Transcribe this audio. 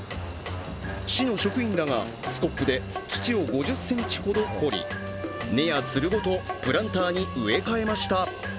市の職員らがスコップで土を５０ｃｍほど掘り、根やつるごとプランターに植え替えました。